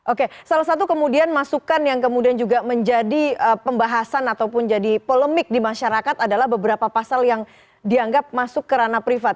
oke salah satu kemudian masukan yang kemudian juga menjadi pembahasan ataupun jadi polemik di masyarakat adalah beberapa pasal yang dianggap masuk ke ranah privat